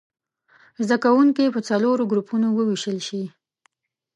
زده کوونکي په څلورو ګروپونو ووېشل شي.